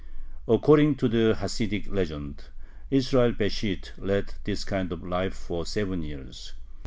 According to the Hasidic legend, Israel Besht led this kind of life for seven years.